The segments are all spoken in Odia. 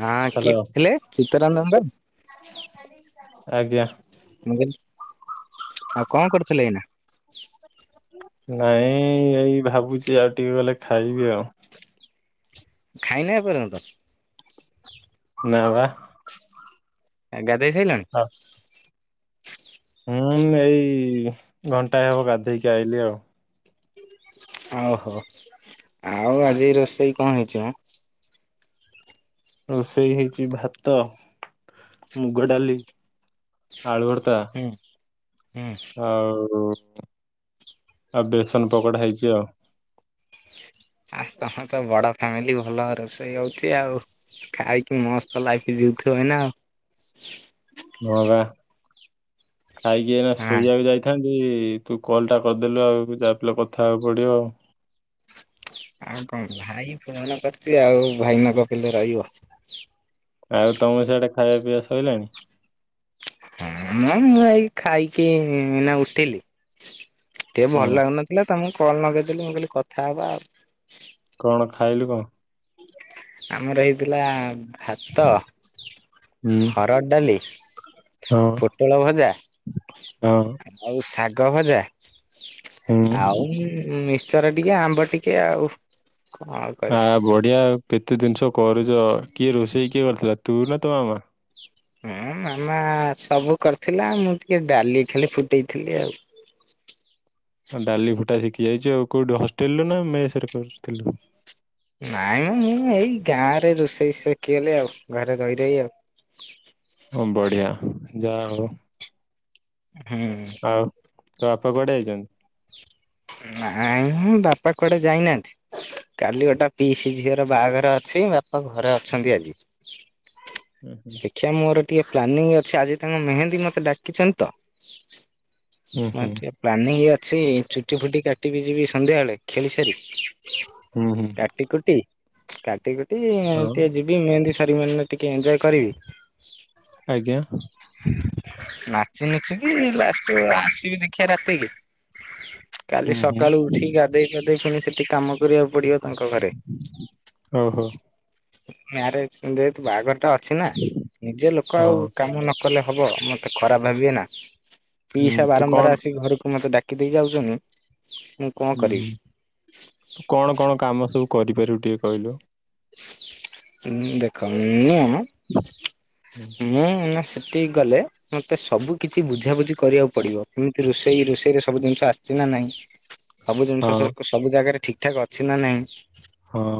ହଁ ହ୍ୟାଲୋ କିଏ ଥିଲେ ଚୀତରାନବର। ଆଜ୍ଞା। ମୁଁ କହିଲି ଆଉ କଣ କରିୁଥିଲେ ଏଇନା? ନାଇଁ ଏଇ ଭାବୁଛି ଆଉ ଟିକେ ଗଲେ ଖାଇବି ଆଉ। ଖାଇନା ଏ ପର୍ଯ୍ୟନ୍ତ? ନା ପା। ଆ ଗାଧୋଇ ସାଇଲଣି? [inaudible] ହୁଁ ଏଇ ଘଣ୍ଟାଏ ହବ ଗାଧେଇକି ଆଇଲିି ଆଉ। ଓହୋ ଆଉ ଆଜି ରୋଷେଇ କଣ ହେଇଛି ମ? ରୋଷେଇ ହେଇଛି ଭାତ ମୁଗ ଡାଲି ଆଳୁ ଭରତା। ହୁଁ ହୁଁ। ଆଉ ଆଉ ବେସନ ପକୋଡା ହେଇଛି ଆଉ। ଆ ତମର ତ ବଡ ଫ୍ୟାମିଲି ଭଲ ରୋଷେଇ ହଉଛି ଆଉ। ଖାଇକି ମସ୍ତ ଲାଗି ଯିଉଥିବନା ଆଉ। ହୁଁ ପା ଖାଇକି ଏଇନା ହଁ ଶୋଇବାକୁ ଯାଇ। ଥାନ୍ତି ତୁ କଲ୍ ଟା କରିଦେଲୁ ଆଉ ଯାହାବି ହେଲେ କଥା ହେବାକୁ ପଡିବ ଆଉ। ଆଉ କଣ ଭାଇ ଫୋନ୍ କରିଛି ଆଉ ଭାଇ ନ ଗପିଲେ ରହିବ। ଆଉ ତମର ସିଆଡେ ଖାଇବା ପିଇବା ସରିଲାଣି? ହଁ ମ ମୁଁ ଏଇ ଖାଇକି ଏଇନା ଉଠିଲି ଟିକେ ଭଲ ହୁଁ ଲାଗୁନ। ଥିଲା ତମକୁ କଲ୍ ଲଗେଇଦେଲି ମୁଁ କହିଲି କଥା ହବା ଆଉ। କଣ ଖାଇଲୁ କଣ? ଆମର ହେଇଥିଲା ଭାତ ହୁଁ ହରଡ଼ ଡାଲି। ହଁ ପୋଟଳ ଭଜା ହଁ ଆଉ ଶାଗ ଭଜା। ହୁଁ। ଆଉ ମିସଚର ଟିକେ ଆମ୍ବ ଟିକେ ଆଉ କ ଆ ବଢିଆ କେତେ ଜିନିଷ କରୁଚ କିଏ ରୋଷେଇ କିଏ କରିଥିଲା ତୁ ନା ତୋ ମାମା? ହୁଁ ମାମା ସବୁ କରିଥିଲା ମୁଁ ଟିକେ ଡାଲି ଖାଲି ଫୁଟେଇଥିଲି ଆଉ। ଡାଲି ଫୁଟା ଶିଖି ଯାଇଚୁ ଆଉ କୋଉଠୁ ହଷ୍ଟେଲରୁୁ ନା ମେସେରେ କର୍ ଥିଲୁ। ନାଇଁମ ମୁଁ ଏଇ ଗାଁ ରେ ରୋଷେଇ ଶଖିଲି ଆଉ ଘରେ ରହି ରହି ଆଉ। ହଁ ବଢିଆ ଯାହା ହଉ। ହୁଁ। ଆଉ ତ ବାପା କୋଆଡେ ଯାଇଚନ୍ତି? ନାଇଁ ଉଁ ବାପା କୁଆଡେ ଯାଇନାହାନ୍ତି। କାଲି ଗୋଟା ପିଇସି ଝିଅର ବାହାଘର ଅଛି ମ ହଉ ଘରେ ଅଛନ୍ତି ଆଜି। [inaudible] ଏ ମୋର ଟିଏ ପ୍ଲାନିଂ ଅଛି ଆଜି ତାଙ୍କ ମେହେନ୍ଦୀ ମତେ ଡାକିଛନ୍ତି ତ। ହୁଁ ହଁ ହୁଁ ଟିଏ ପ୍ଲାନିଂ ଅଛି ଚୁଟି ଫୁଟି କାଟିବି ଯିବି ସନ୍ଧ୍ୟା ବେଳେ ଖେଳି ସାରି। ହୁଁ ହୁଁ କାଟ କୁଟି କାଟି କୁଟି ହଁ ଟିକେ ଯି ଦି ମେହେନ୍ଦି ସାରି [inaudible] ଟିକେ ଏଞୟ କରିବି। ଆଜ୍ଞା। ନାଚ ନୁଚିକି ଲାଷ୍ଟ ଆସିବି ଦେଖିଆ ରାତିକି। କାଲି ହୁଁ ହୁଁ ସକାଳୁ ଉଠିକି ଗାଧୋଇ ପାଧେଇ ପୁଣି ସେଠି କାମ କରିବାକୁ ପଡିବ। ତାଙ୍କ ଘରେ ଓହୋ ମାରେଜ ଯେହେତୁ ବାହାଘର ଟା ଅ ଅଛି ନା ନିଜେ ଲୋକ ହଁ ଆଉ କାମ ନ କଲେ ହବ ମତେ ଖରାପ ଭାବିବେ ନା? ହୁଁ, ପିଇସା ତୁ ବାରମ୍ବାର କଣ ଆସିିକି ଘରକୁ ମତେ ଡାକି ଦେଇ ଯାଉଚନ୍ତି ଉଁ। ହୁଁ ହୁଁ କଣ କଣ କାମ ସବୁ କରିପାରିବୁ ଟିକେ କହିଲୁ? ଉଁ ଦେଖ ଉଁ ଅ। ହୁଁ ମୁଁ ଉଁ ସେଟି ଗଲେ ମୋତେ ସବୁ କିିଛି ବୁଝାବୁଝି କରିବାକୁ ପଡିବ କେମିତି ରୋଷେଇ ରୋଷେଇରେ ସବୁ ଜିନିଷ ଆସିଛି ନା ନାହିଁ। [unintelligible] ସବୁ ହଁ ଜିନିଷ ସ ସବୁ ଜାଗାରେ ଠିକଠାକ ଅଛି ନା ନାଇଁ? ହଁ।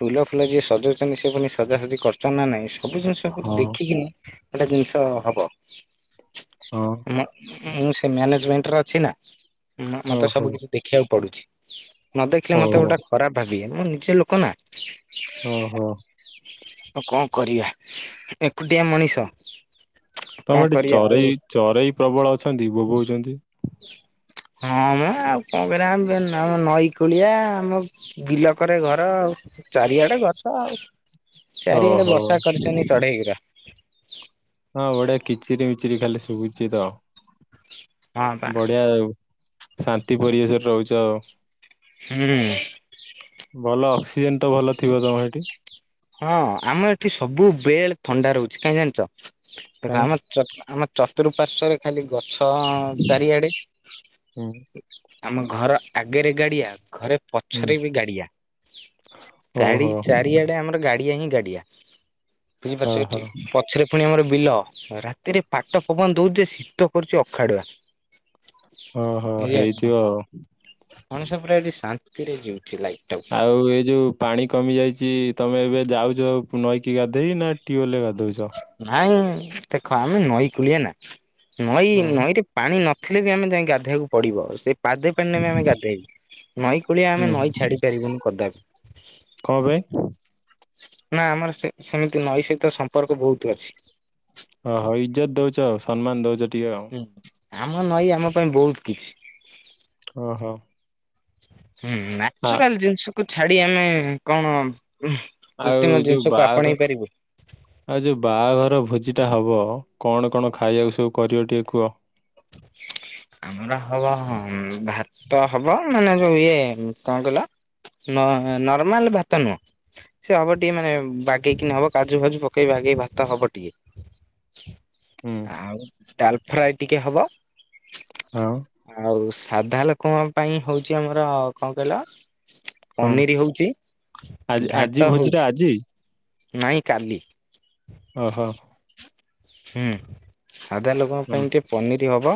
ଫୁଲ ଫୁଲ ଯିଏ ସଜାଉଚନ୍ତି ସେ ପୁଣି ସଜାସଜି କରଚନ୍ତି ନା ନାଇଁ ସବୁ ଜିନିଷ ହଁ ଦେଖିକିନି। ଗୋଟେ ଜିନିଷ ହବ ହଁ ମା ମୁଁ ସେ ମ୍ୟାନେଜମେଣ୍ଟରେ ଅଛି ନା ମତେ ଓହୋ ସବୁ କିଛି ଦେଖିବାକୁ ପଡୁଛି। ନ ଦେଖିଲେ ମତେ ଓହୋ ଗୋଟା ଖରାପ ଭାବିବେ ମୋ ନିଜେ ଲୋକ ନା। ଓ ହୋ। ଅ କଣ କରିବା ଏକୁଟିଆ ମଣିଷ। କଣ ତମ ଏଠି କରିବା ଆଉ ଚରେଇ ଚରେଇ ପ୍ରବଳ ଅଛନ୍ତି ବୋବଉଚନ୍ତି। ହଁ ମା ଆଉ କଣ କରିବା ଆମ ନ ନଈକୋଳିଆ ଆମ। ବିଲ କରେ ଘର ଆଉ। ଚାରିଆଡେ ଗଛ ଆଉ ଚାରିଆଡେ ଓହୋ ବର୍ଷା କରିଛନ୍ତି ଚଢେଇଉରା। ହଁ ବଢିଆ କିଚିରି ମିଚିରି ଖାଲି ଶୁଭୁଚି ତ। ହଁ ବା ବଢିଆ ଆାଉ ଶାନ୍ତି ପରିବେଶରେ ରହୁଚ। ହୁଁ। ଭଲ ଅକ୍ସିଜେନ ତ ଭଲ ଥିବ ତମ ହେଟି। ହଁ ଆମେ ଏଠି ସବୁ ବେଲ୍ ଥଣ୍ଡା ରହୁଛି କାହିଁ ଜାଣିଚ ଦେଖ କାଇଁ ଆମ ଚ ଆମ। ଚତୁଃପାର୍ଶ୍ଵରେ ଖାଲି ଗଛ ଚାରିଆଡ଼େ। ହୁଁ ଆମ ଘର ଆଗରେ ଗାଡ଼ିଆ ଘରେ ହୁଁ ପଛରେ ବି ଗାଡ଼ିଆ ଚାରି ଓହୋ ଚାରିଆଡ଼େ ଆମର ଗାଡ଼ିଆ ହିଁ ଗାଡ଼ିଆ। ବୁଝିପାରୁଛ ଓହୋ ଏଠି ପଛରେ ପୁଣି ଆମର ବିଲ ରାତିରେ ପାଟ ପବନ ଦଉଛି ଶୀତ କରୁଛି ଅଖାଡୁଆ। ଓହୋ ହେଇଥିବ ଆଉ। ମଣିଷ ପୁରା ଏଠି ଶାନ୍ତିରେ ଯିଉଛି ଲାଇଫ୍। ଆଉ ଏଇ ଯୋଉ ପାଣି କମି ଯାଇଛି ତମେ ଏବେ ଯାଉଛ ନଈକି ଗାଧେଇ ନା ଟିୁୱଲ୍ ଗାଧଉଛ? ନାଇଁ ଦେଖ ଆମେ ନଈ କୂଳିଆ ନା ନଈ ହଁ ନଈ ରେ ପାଣି ନଥିଲେ ବି ଆମେ ଯାଇ ଗାଧୋଇବାକୁ ପଡ଼ିବ ସେ ପାଦେ ପାଣି ନେ ଆମେ ଗାଧେଇବୁ। ନଈ କୂଳିଆ ହୁଁ ଆମେ ନଈ ହୁଁ। ଛାଡ଼ି ପାରିବୁନି କଦାପି। କଣ ପାଇଁ? ନା ଆମର ସେ ସେମିତି ନଈ ସହିତ ସମ୍ପର୍କ ବହୁତ୍ ଅଛି। ଓ ହୋ ହଉ ଇଜ୍ଜତ ଦଉଛ ଆଉ ସମ୍ମାନ ଦଉଛ ଟିକେ ଆଉ। ହୁଁ ଆମ ନଈ ଆମ ପାଇଁ ବହୁତ୍ କିଛି। ଓହୋ। ହୁଁ ହୁଁ ଆ- ନାଚୁରାଲ ଜିନିଷକୁୁ ଛାଡ଼ି ଆମେ କଣ ଉମ ଆଉ କୃତ୍ରିମ ଯୋଉ ଜିନିଷକୁ ବାହାଘର ଆପଣେଇ ପାରିବୁ। ଆଉ ଯୋଉ ବାହାଘର ଭୋଜିଟା ହେବ କଣ କଣ ଖାଇବାକୁ ସବୁ କରିବ ଟିକେ କୁହ? [inaudible] ଆମର ହବ ଉମ ଭାତ ହବ ମାନେ ଯୋଉ ଇଏ କଣ କହିଲ ନ ନର୍ମାଲ ଭାତ ନୁହେଁ। ସେ ହବ ଟିକେ ମାନେ ବାଗେଇକିନି ହବ କାଜୁ ଫାଜୁ ପକେଇ ବାଗେଇ ଭାତ ହବ ଟିକେ। ହୁଁ। ଆଉ ଡାଲ୍ ଫ୍ରାଏ ଟିକେ ହବ। ହଁ। ଆଉ ସାଧା ଲୋକଙ୍କ ପାଇଁ ହଉଛି ଆମର କଣ କହିଲ। କଣ ପନିରି ହଉଛି ଆଜି ଆଜି ଘାଣ୍ଟ ଭୋଜି ଟା ହଉଛି। ଆଜି ନାଇଁ କାଲି। ଓ ହୋ। ହୁଁ ସାଧା ଲୋକଙ୍କ ପାଇଁ ହଁ ଟିକେ ପନିରି ହବ।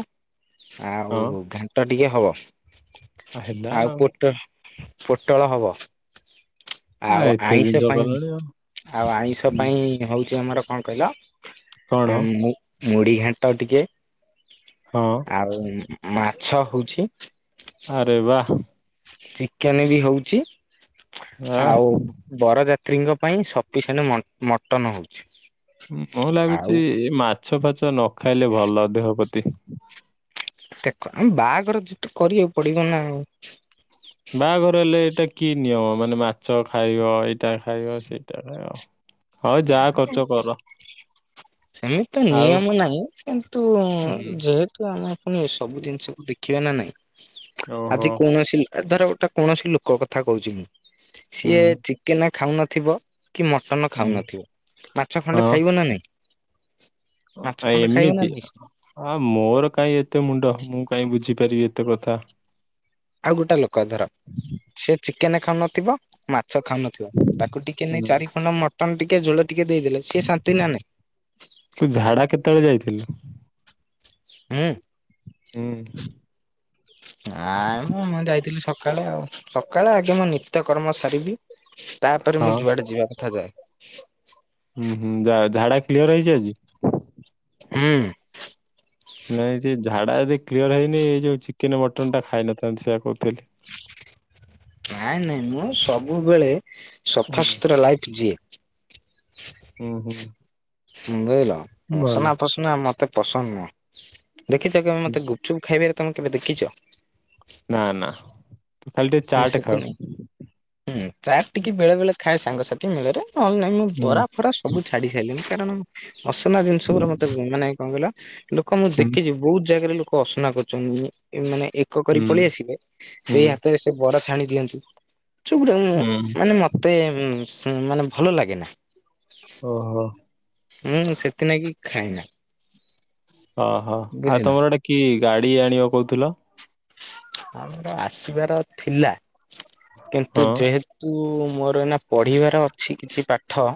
ଆଉ ହଁ ଘାଣ୍ଟ ଟିକେ ହବ ଆ, ହେଲା ଆଉ ପୋଟ ପୋଟଳ ହବ। ଆ ଆଉ ଏତେ ଆଇଁଷ ଜିନିଷ ପାଇଁ କଲଣି ଆଉ ଆଉ ଆଇଁଷ ହୁଁ ପାଇଁ ହଉଛି ଆମର କଣ କହିଲା କଣ ଉମ ମୁ ମୁଢ଼ି ଘାଣ୍ଟ ଟିକେ। ହଁ। ଆଉ ମାଛ ହଉଛି। ଆରେ ବାଃ। ଚିକେନ୍ ବି ହଉଛି ଆ ଆଉ ବରଯାତ୍ରୀଙ୍କ ପାଇଁ ସଫିସିଏଣ୍ଟ ମ-ମଟନ ହଉଛି। ମୁଁ ଆଉ ଲାଗୁଛି ଏ ମାଛ ଫାଚ ନ ଖାଇଲେ ଭଲ ଦେହ ପ୍ରତି। ଦେଖ ଆମେ ବାହାଘର ଯେତ କରିବାକୁ ପଡ଼ିବ ନା ଆଉ। ବାହାଘର ହେଲେ ଏଇଟା କି ନିୟମ ମାନେ ମାଛ ଖାଇବ ଏଇଟା ଖାଇବ ସେଇଟା ଖାଇବ। ଆ ଯାହା କରୁଛ କର। ସେମିତି ତ ଆଉ ନିୟମ ନାହିଁ କିନ୍ତୁ ହୁଁ ଯେହେ ତ ଆମେ ପୁଣି ଏସବୁ ଜିନିଷକୁ ଦେଖିବା ନା ନାଇଁ ଓହୋ ଆଜି କୌଣସି ଧର ଗୋଟେ କୌଣସି ଲୋକ କଥା କହୁଛି ମୁଁ ହୁଁ ସିଏ ହୁଁ ଚିକେନ ଖାଉନଥିବ କି ମଟନ ଖାଉନଥିବ ମାଛ ଖଣ୍ଡେ ଖାଇବ ନା ନାଇଁ? ମାଛ ଅ ଖଣ୍ଡେ ଖାଇବ ନା ଏମିତି ନାଇଁ ଅ ମୋର କାଇଁ ଏତେ ମୁଣ୍ଡ ମୁଁ କାଇଁ ବୁଝିପାରିବି ଏତେ କଥା। ଆଉ ଗୋଟେ ଲୋକ ଧର ସେ ଚିକେନ ଖାଉନଥିବ ମାଛ ଖାଉନ ତାକୁ ଟିକେ ନେଇ ହୁଁ ଚାରି ଖଣ୍ଡ ମଟନ ଟିକେ ଝୋଳ ଟିକେ ଦେଇଦେଲେ ସିଏ ଶାନ୍ତି ନା ନାଇଁ? ତୁ ଝାଡ଼ା କେତେବେଳେ ଯାଇଥିଲୁ? ମୁଁ? ହୁଁ। ନାଇଁ ମୁଁ ଯାଇଥିଲି ସକାଳେ ଆଉ ସକାଳେ ଆଗେ ମୁଁ ନିତ୍ୟକର୍ମ ସାରିବି ତାପରେ ହଁ ମୁଁ ଯୁଆଡେ ଯିବା କଥା ଯାଏ। ହୁଁ ହୁଁ ଯା ଝାଡା କ୍ଲିୟର ହେଇଛି ଆଜି? ହୁଁ। ନାଇଁ ଯେ ଝାଡା ଯଦି କ୍ଲିୟର ହେଇନି ଏଇ ଯୋଉ ଚିକେନ ମଟନଟା ଖାଇନଥାନ୍ତୁ ସେଇଆ କହୁଥିଲି। ନାଇଁ ନାଇଁ ମୁଁ ସବୁବେଳେ ହୁଁ ସଫା ସୁୁତୁରା ଲାଇଫ୍ ଯିଏ। ହୁଁ ହୁଁ ହୁଁ। ବୁଝିଲ ଅସନା ଫସନା ମତେ ପସନ୍ଦ ନୁହଁ ଦେଖିଚ କେବେ ମତେ ଗୁ ଗୁପଚୁପ୍ ଖାଇବାରେ ତମେ କେବେ ଦେଖିଛ? ନା ନା ତୁ ଖାଲି ଟିକେ ହୁଁ ଚାଟ ସେଥି ଖାଉ। ନାଇଁ ହୁଁ ଚାଟ୍ ଟିକେ ବେଳେବେଳେ ଖାଏ ସାଙ୍ଗସାଥି ମେଳରେ ନହେଲେ ନା ମୁଁ ହୁଁ ବରା ଫରା ସବୁ ଛାଡି ସାରିଲିଣିି କାରଣ ଅସନା ଜିନଷ ଉପରେ ମତେ ମାନେ କଣ କହିଲ ଲୋକ ମୁଁ ହୁଁ ଦେଖିଛି ବହୁତ ଜାଗାରେ ଲୋକ ଅସନା କରୁଛନ୍ତି ମାନେ ଏ ମାନେ ଏ କ କରି ହୁଁ ପଳେଇ ଆସିଲେ ହୁଁ ସେଇ ହାତରେ ସେ ବରା ଛାଣି ଦିଅନ୍ତି ସେଗୁଡା ମୁଁ ହୁଁ ମାନେ ମ ମତେ ଉଁ ସେ ମାନେ ଭଲ ଲାଗେନା। ଓହୋ। ମୁଁ ସେଥିନାଗି ଖାଏନା। ଓହୋ ଆଉ ବୁଝିଲ। ତମର ଗୋଟେ କି ଗାଡି ଆଣିବ କହୁଥିଲ? ଆମର ଆସିବାର ଥିଲା କିନ୍ତୁ ହଁ ଯେହେ ତୁ ମୋର ନା ପଢିବାର ଅଛି କିଛି ପାଠ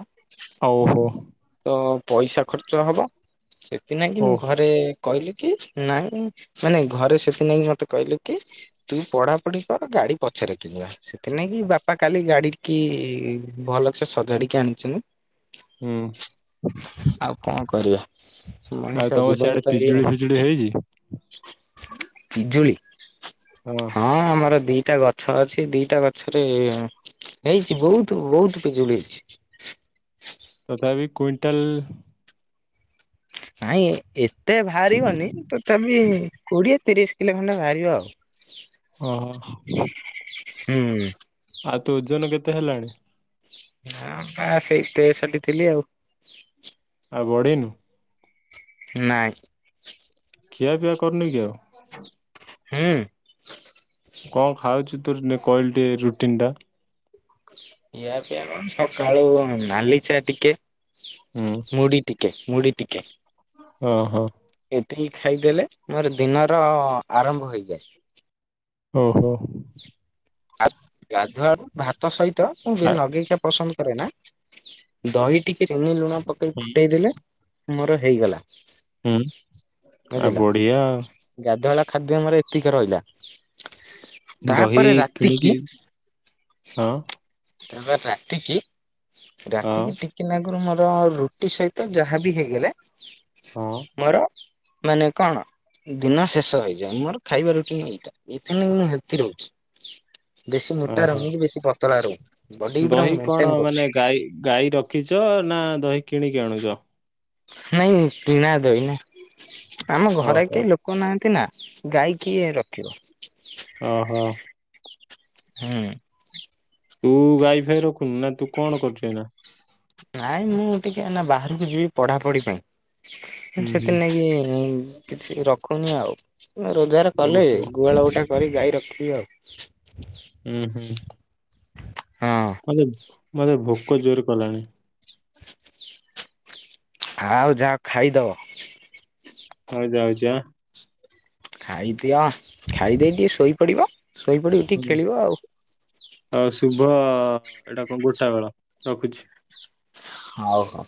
ହଉ ଓହୋ। ତ ପଇସା ଖର୍ଚ୍ଚ ହବ ସେଥିନାଗି ଓ ମୁଁ ଘରେ କହିଲେ କି ନାଇଁ ମାନେ ଘରେ ସେଥିନାଗି ମତେ କହିଲେ କି ତୁ ପଢାପଢି କର ଗାଡି ପଛରେ କିଣିବା। ସେଥିନାଗି ବାପା କାଲି ଗାଡିକି ଭଲସେ ସଜାଡିକି ଆଣିଛନ୍ତି। ହୁଁ। ଆଉ କଣ କରିବା ଆଉ ମଣିଷ ତମ ଜୀବନ ସିଆଡେ ତ ପିଜୁଳି ଏଇଆ। ଫିଜୁଳି ହେଇଛି? ପିଜୁଳି ହଁ। ହଁ ଆମର ଦିଟା ଗଛ ଅଛି ଦିଟା ଗଛରେ ହେଇଛି ବହୁତ୍ ବହୁତ୍ ପିଜୁଳି ହେଇଛି। ତଥାପି କ୍ଵିଣ୍ଟାଲ ନାଇଁ ଏତେ ବାହାରିବନି ତଥାପି କୋଡିଏ ତିରିଶ କିଲୋ ଖଣ୍ଡେ ବାହାରିବ ଆଉ। ଓହୋ ହୁଁ ଆଉ ତୋ ଓଜନ କେତେ ହେଲାଣି? ନା ପା ସେଇ ତେସଠି ଥିଲି ଆଉ। ଆଉ ବଢିନୁ? ନାଇଁ। ଖିଆପିଆ କରୁନି କି ଆଉ? ହୁଁ। କଣ ଖାଉଚୁ ତୁର୍ ନେ କହିଲୁ ଟିଏ ରୁଟିନ୍ ଟା। ଇଆ ପିଆ କଣ ସକାଳୁ ନାଲି ଚା ଟିକେ, ହୁଁ ମୁଢି ଟି କେ ମୁଢି ଟିକେ। ଆ ହଁ। ଏତିକି ଖାଇଦେଲେ ମୋର ଦିନର ଆରମ୍ଭ ହୋଇଯାଏ। ଓ ହୋ। [unintelligible] ଗାଧୁଆ ଭାତ ସହିତ ମୁଁ [unintelligible] ଆ- ନଗେଇକା ପସନ୍ଦ କରେ ନା। ଦହି ଟିକେ ଚିନି ଲୁଣ ପକେଇ ହୁଁ ଫୁଟେଇ ଦେଲେ ମୋର ହେଇଗଲା। ହୁଁ ଆଉ ବୁଝିଲ। ବଢିଆ। ଗାଧୁଆଳ ଖାଦ୍ୟ ଆମର ଏତିକା ରହିଲା। ଦହି ତାପରେ ରାତିକି କିଣିକି ଆଁ। ତାପ ରାତି କି ହଁ ରାତିକି ଟିକ୍ କିନା ଆଗୁରୁ ମୋର ରୁଟି ସହିତ ଯାହା ବି ହେଇଗଲେ ହଁ ମୋର ମାନେ କଣ ଦିନ ଶେଷ ହେଇଯାଏ। ମୋର ଖାଇବା ରୁଟିନ୍ ଏଇଟା ଏଇଥିନେ ମୁଁ ହେଲ୍ଥି ରହୁଚି। ବେଶୀ ମୋଟା ଓହୋ ରହୁନି କି ବେଶୀ ପତଳା ରହୁନି। ବଡିକି ପୁରା ମୁଁ ଦହି ମେଣ୍ଟେନ କଣ କରୁଛି। ମାନେ ଗାଈ ଗାଈ ରଖିଛ ନା ଦହି କିଣିକି ଆଣୁଚ? ନାଇଁ କିଣା ଦହି ନା ଆମ ଘରେ ଓହୋ କେ ଲୋ କ ନାହାନ୍ତି ନା ଗାଈ କିଏ ରଖିବ। ଓହୋ। ହୁଁ। ତୁ ଗାଈ ଫାଇ ରଖୁନୁ ନା ତୁ କଣ କରୁଚୁ ଏଇନା? ନାଇଁ ମୁଁ ଟିକେ ଏନା ବାହାରକୁ ଯିବି ପଢାପଢି ପାଇଁ। ହୁଁ ହୁଁ ସେଥିି ନାଗି କିଛି ରଖୁନି ଆଉ। ରୋଜଗାର କଲେ ଓହୋ ଗୁହାଳ ଗୁଟା କରି ଗାଈ ରଖିବି ଆଉ। ହୁଁ ହୁଁ। ହଁ। ମତେ ମତେ ଭୋକ ଜୋର କଲାଣି। ଆଉ ଯାଓ ଖାଇଦଅ। ହଉ ଯାଉଚି ଆ। ଖାଇଦିଅ ଖାଇଦେଇ ଟିକେ ଶୋଇପଡିବ। ଶୋଇପଡି ହୁଁ ଉଠିକି ଖେଳିବ ଆଉ। ଆଉ ଶୁଭ ଏଇଟା କଣ ଗୋଟା ବେଳ ରଖୁଛି। ହଉ ହଉ।